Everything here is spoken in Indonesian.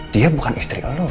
dia bukan istri lo